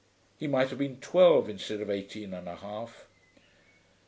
He might have been twelve instead of eighteen and a half.